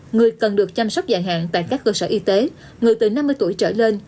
người cần được chăm sóc dài hạn tại các cơ sở y tế người từ năm mươi tuổi trở lên